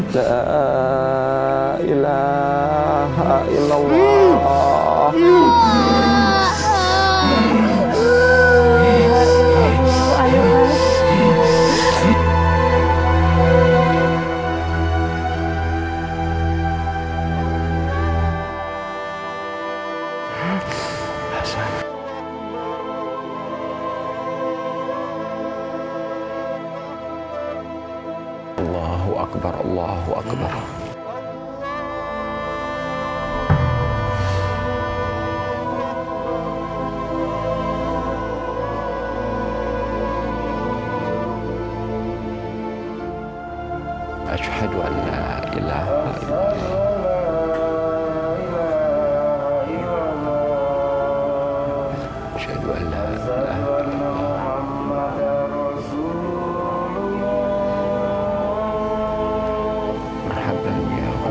tidak ada kuasa dan upaya